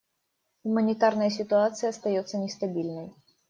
Гуманитарная ситуация остается нестабильной.